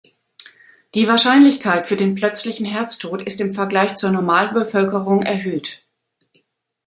Die Wahrscheinlichkeit für den plötzlichen Herztod ist im Vergleich zur Normalbevölkerung erhöht.